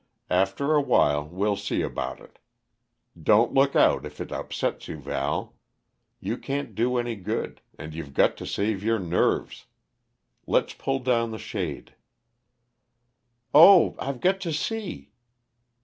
After awhile we'll see about it. Don't look out, if it upsets you, Val. You can't do any good, and you've got to save your nerves. Let pull down the shade " "Oh, I've got to see!"